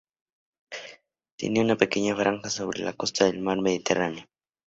Tenía una pequeña franja sobre la costa del mar Mediterráneo.